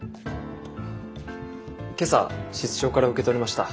今朝室長から受け取りました。